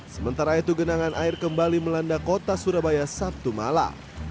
sementara itu genangan air kembali melanda kota surabaya sabtu malam